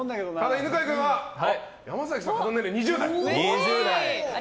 犬飼君は山崎さんの肌年齢が２０代。